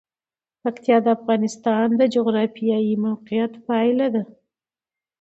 پکتیا د افغانستان د جغرافیایي موقیعت پایله ده.